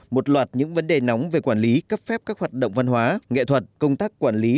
một loạt những vấn đề nóng về quản lý cấp phép các hoạt động văn hóa nghệ thuật công tác quản lý